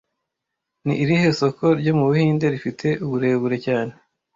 Ni irihe soko ryo mu Buhinde rifite uburebure cyane